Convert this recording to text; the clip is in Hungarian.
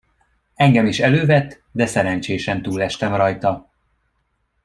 Engem is elővett, de szerencsésen túlestem rajta.